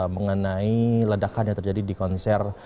mengenai ledakan yang terjadi di konser